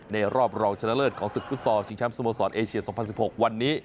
รอบรองชนะเลิศของศึกฟุตซอลชิงแชมป์สโมสรเอเชีย๒๐๑๖วันนี้